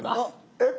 えっ？